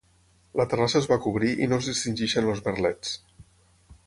La terrassa es va cobrir i no es distingeixen els merlets.